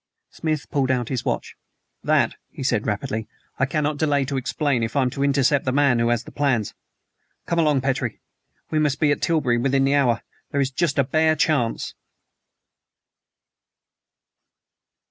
Smith pulled out his watch. "That," he said rapidly, "I cannot delay to explain if I'm to intercept the man who has the plans. Come along, Petrie; we must be at Tilbury within the hour. There is just a bare chance."